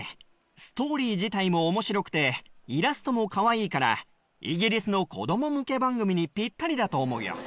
ストーリー自体も面白くてイラストもかわいいからイギリスの子供向け番組にぴったりだと思うよ。